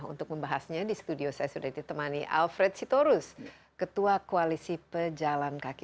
untuk membahasnya di studio saya sudah ditemani alfred sitorus ketua koalisi pejalan kaki